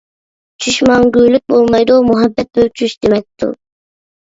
چۈش مەڭگۈلۈك بولمايدۇ، مۇھەببەت بىر چۈش دېمەكتۇر.